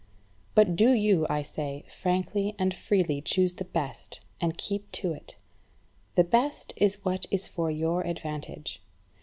But do you, I say, frankly and freely choose the best, and keep to it. The best is what is for your advantage.